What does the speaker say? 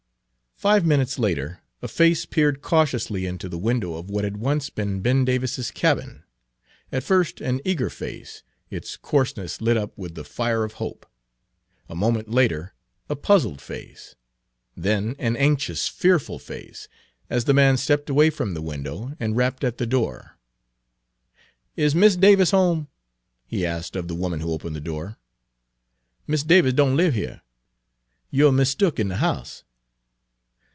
Five minutes later a face peered cautiously into the window of what had once been Ben Davis's cabin at first an eager face, its coarseness lit up with the fire of hope; a moment later a puzzled face; then an anxious, Page 315 fearful face as the man stepped away from the window and rapped at the door. "Is Mis' Davis home?" he asked of the woman who opened the door. "Mis' Davis don' live here. You er mistook in de house."